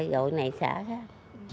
gội này xả khác